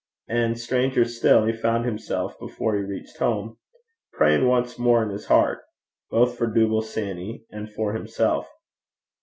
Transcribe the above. And stranger still, he found himself, before he reached home, praying once more in his heart both for Dooble Sanny and for himself.